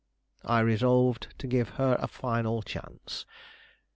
I resolved to give her a final chance.